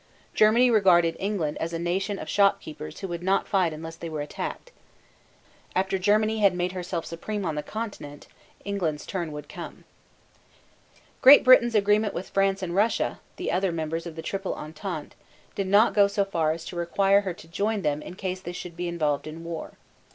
Germany regarded England as a nation of shopkeepers who would not fight unless they were attacked. After Germany had made herself supreme on the Continent England's turn would come. Great Britain's agreement with France and Russia, the other members of the Triple Entente, did not go so far as to require her to join them in case they should be involved in war.